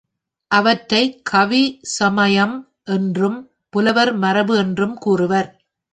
அவற்றைக் கவி ஸமயம் என்றும் புலவர் மரபு என்றும் கூறுவர்.